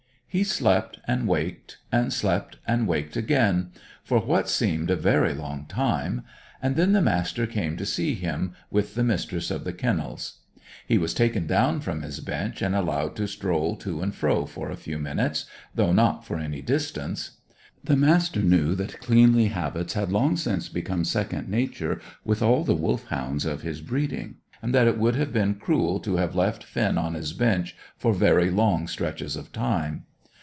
He slept and waked, and slept and waked again, for what seemed a very long time; and then the Master came to see him, with the Mistress of the Kennels. He was taken down from his bench and allowed to stroll to and fro for a few minutes, though not for any distance. The Master knew that cleanly habits had long since become second nature with all the Wolfhounds of his breeding, and that it would have been cruel to have left Finn on his bench for very long stretches of time.